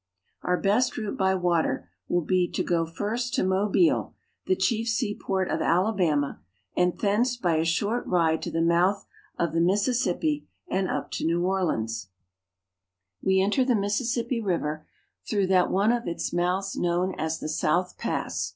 Our best route by water will be to go first to Mobile, the chief seaport of Alabama, and thence by a short ride to the mouth of the Mississippi and up to New Orleans. CARP. N. AM.— 9 136 THE SOUTH. We enter the Mississippi River through that one of its mouths known as the South Pass.